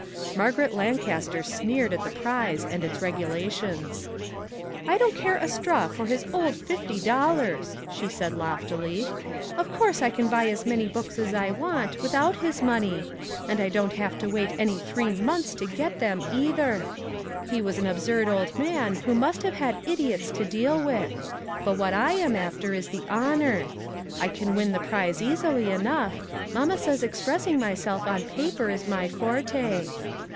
Margaret Lancaster sneered at the prize and its regulations. " I don't care a straw for his old fifty dol lars !" she said loftily. " Of course I can buy as many books as I want, without his money; and I don't have to wait any three months to get them, either. He was an absurd old man who must have had idiots to deal with; but what I am after is the honor. I can win the prize easily enough; mamma says expressing myself on paper is my forte."